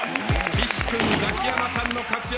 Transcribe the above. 岸君ザキヤマさんの活躍。